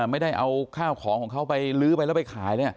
ไม่ได้เอาข้าวของของเขาไปลื้อไปแล้วไปขาย